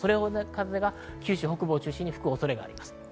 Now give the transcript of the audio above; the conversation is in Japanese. それぐらいの風が九州北部を中心に吹く恐れがあります。